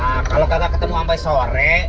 nah kalau kata ketemu sampai sore